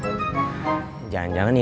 jangan jangan indri udah selesai